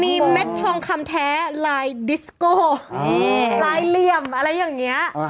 มีเม็ดทองคำแท้ลายดิสโก้ลายเหลี่ยมอะไรอย่างนี้